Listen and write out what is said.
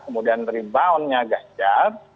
kemudian reboundnya ganjar